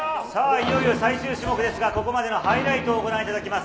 いよいよ最終種目ですが、ここまでのハイライトをご覧いただきます。